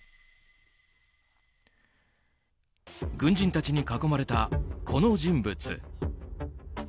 軍人たちに囲まれたこの人物。